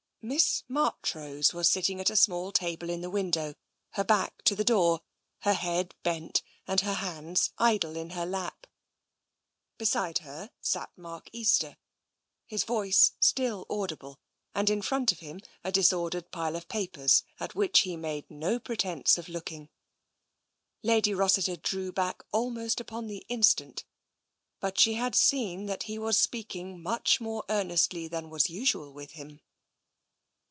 Miss Marchrose was sitting at a small table in the window, her back to the door, her head bent, and her hands idle in her lap. Beside her sat Mark Easter, his voice still audible, and in front of him a disordered pile of papers at which he made no pretence of looking. Lady Rossiter drew back almost upon the instant, but she had seen that he was speaking much more earn estly than was usual with him.